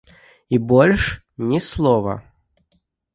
І больш ні слова.